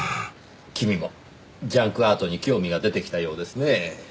君もジャンクアートに興味が出てきたようですねぇ。